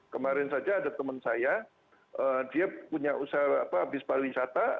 kemarin saja ada teman saya dia punya usaha bis pariwisata